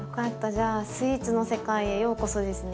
じゃあスイーツの世界へようこそですね。